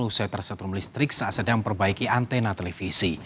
usai tersetrum listrik saat sedang memperbaiki antena televisi